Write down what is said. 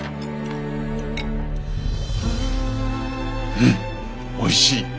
うんおいしい。